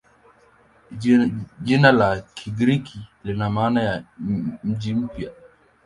Jina la Kigiriki lina maana ya "mji mpya".